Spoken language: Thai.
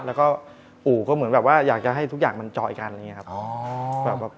แล้วก็อู่ก็เหมือนแบบว่าอยากจะให้ทุกอย่างมันดรอยกันนะครับ